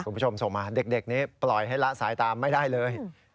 คุณผู้ชมส่งมาเด็กนี้ปล่อยให้ละสายตามไม่ได้เลย